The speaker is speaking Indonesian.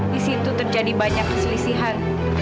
di situ terjadi banyak keselisihan